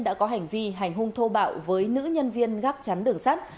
đã có hành vi hành hung thô bạo với nữ nhân viên gác chắn đường sắt